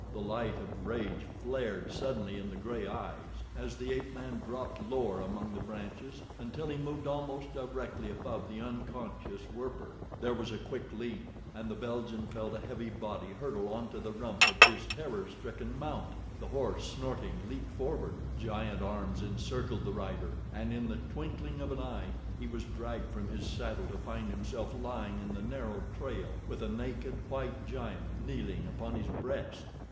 The light of rage flared suddenly in the gray eyes as the ape man dropped lower among the branches until he moved almost directly above the unconscious Werper. There was a quick leap, and the Belgian felt a heavy body hurtle onto the rump of his terror stricken mount. The horse, snorting, leaped forward. Giant arms encircled the rider, and in the twinkling of an eye he was dragged from his saddle to find himself lying in the narrow trail with a naked, white giant kneeling upon his breast.